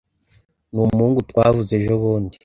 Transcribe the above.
Numuhungu twavuze ejobundi.